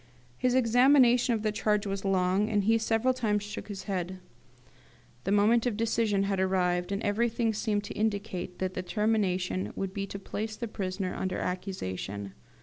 His examination of the charge was long, and he several times shook his head. The moment of decision had arrived, and everything seemed to indicate that the termination would be to place the prisoner under accusation.